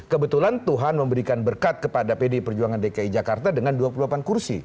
kebetulan tuhan memberikan berkat kepada pdi perjuangan dki jakarta dengan dua puluh delapan kursi